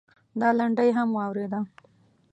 دا لنډۍ هم واورېده.